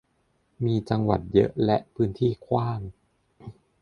มีจังหวัดเยอะและพื้นที่กว้าง